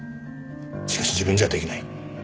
しかし自分じゃ出来ない。